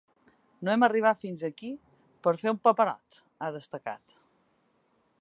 No hem arribat fins aquí per fer un paperot, ha destacat.